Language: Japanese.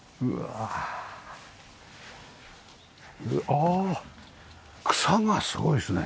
ああ草がすごいですね。